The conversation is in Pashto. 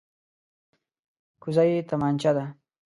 کوزه یې تمانچه ده.